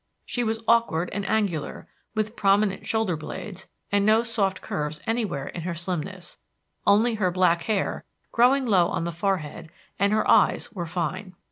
She was awkward and angular, with prominent shoulder blades, and no soft curves anywhere in her slimness; only her black hair, growing low on the forehead, and her eyes were fine.